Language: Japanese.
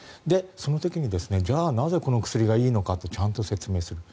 その時に、じゃあなぜこの薬がいいのかちゃんと説明する。